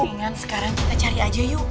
ringan sekarang kita cari aja yuk